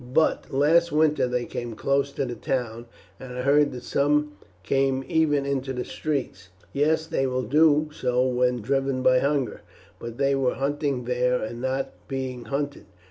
"But last winter they came close to the town, and I heard that some came even into the streets." "Yes, they will do so when driven by hunger; but they were hunting then and not being hunted.